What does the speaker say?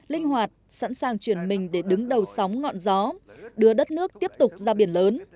linh hoạt sẵn sàng chuyển mình để đứng đầu sóng ngọn gió đưa đất nước tiếp tục ra biển lớn